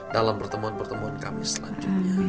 dalam pertemuan pertemuan kami selanjutnya